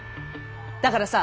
だからさ